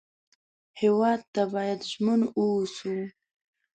هېواد ته باید ژمن و اوسو